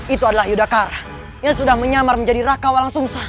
itu adalah yudhakara yang sudah menyamar menjadi raka walang sungsang